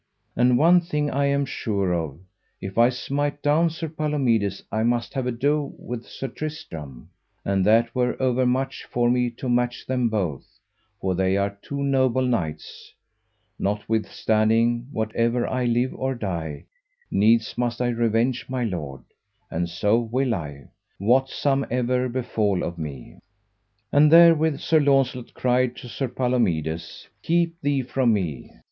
And one thing I am sure of, if I smite down Sir Palomides I must have ado with Sir Tristram, and that were overmuch for me to match them both, for they are two noble knights; notwithstanding, whether I live or I die, needs must I revenge my lord, and so will I, whatsomever befall of me. And therewith Sir Launcelot cried to Sir Palomides: Keep thee from me.